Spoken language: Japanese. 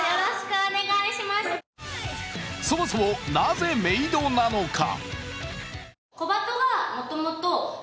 そもそもなぜメイドなのか？